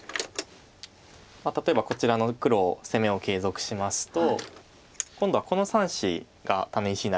例えばこちらの黒攻めを継続しますと今度はこの３子がタネ石になるんです。